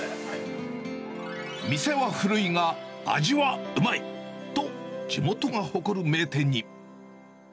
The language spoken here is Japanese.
店は古いが、味はうまいと、地元が誇る名店に。